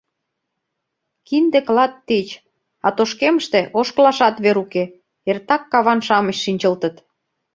Кинде клат тич, а тошкемыште ошкылашат вер уке, эртак каван-шамыч шинчылтыт.